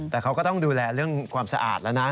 แต่เขาก็ต้องดูแลเรื่องความสะอาดแล้วนะ